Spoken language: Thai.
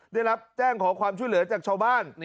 ได้รับแจ้งขอความช่วยเหลือจากชาวบ้าน